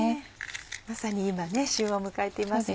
まさに今旬を迎えていますね。